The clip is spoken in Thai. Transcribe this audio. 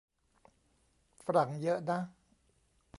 ฝรั่งเยอะนะ